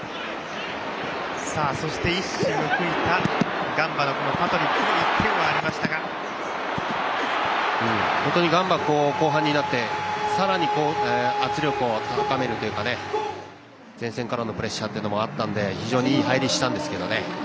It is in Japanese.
そして、一矢報いたガンバのパトリックの本当にガンバは後半になってさらに圧力を高めるというか前線からのプレッシャーもあったので非常にいい入りしたんですけどね。